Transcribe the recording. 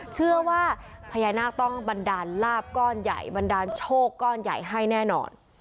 เชื่อว่าพญานาคต้องบันดาลลาบก้อนใหญ่บันดาลโชคก้อนใหญ่ให้แน่นอน